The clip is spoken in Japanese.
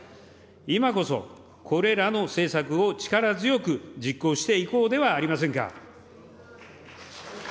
今こそ、これらの政策を力強く実行していこうではありませんか。